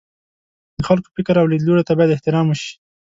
د خلکو فکر او لیدلوریو ته باید احترام وشي.